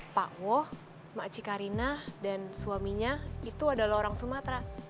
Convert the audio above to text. pak woh makci karina dan suaminya itu adalah orang sumatera